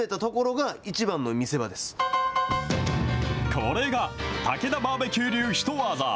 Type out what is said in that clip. これが、たけだバーベキュー流ヒトワザ。